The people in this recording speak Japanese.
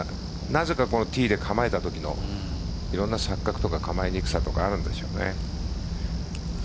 なぜかティーで構えたときのいろんな錯覚とか構えにくさとかあるんでしょうね。